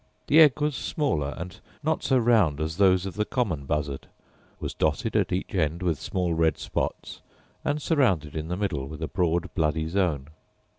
The egg was smaller, and not so round as those of the common buzzard; was dotted at each end with small red spots, and surrounded in the middle with a broad bloody zone.